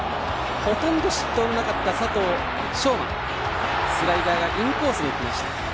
ほとんど失投のなかった佐藤奨真ですがスライダーがインコースにいきました。